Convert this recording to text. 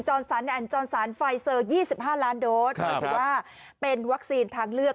จรสรรและจรสรรไฟเซอร์๒๕ล้าโดรสเป็นวัคซีนทางเลือก